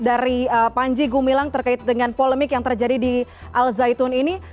dari panji gumilang terkait dengan polemik yang terjadi di al zaitun ini